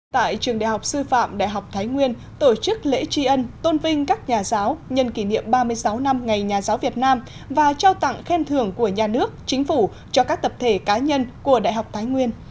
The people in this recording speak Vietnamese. tại trường đại học sư phạm đại học thái nguyên tổ chức lễ tri ân tôn vinh các nhà giáo nhân kỷ niệm ba mươi sáu năm ngày nhà giáo việt nam và trao tặng khen thưởng của nhà nước chính phủ cho các tập thể cá nhân của đại học thái nguyên